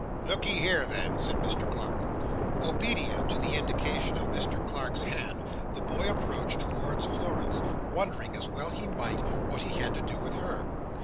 "Look'ye here, then," said Mr Clark. Obedient to the indication of Mr Clark's hand, the boy approached towards Florence, wondering, as well he might, what he had to do with her.